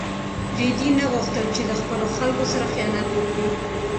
رېدي نه غوښتل چې له خپلو خلکو سره خیانت وکړي.